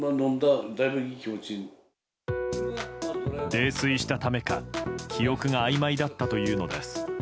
泥酔したためか、記憶があいまいだったというのです。